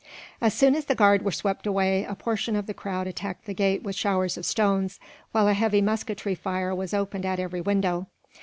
As soon as the guard were swept away, a portion of the crowd attacked the gate with showers of stones, while a heavy musketry fire was opened at every window.